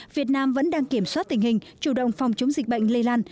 việt nam vẫn đang kiểm soát tình hình chủ động phòng chống dịch bệnh lây lan